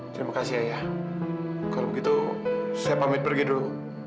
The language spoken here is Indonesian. terima kasih ya kalau gitu saya pamit pergi dulu